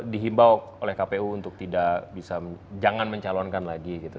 dihimbau oleh kpu untuk tidak bisa jangan mencalonkan lagi gitu